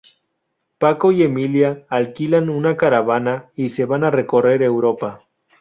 Paco y Emilio alquilan una caravana y se van a recorrer Europa.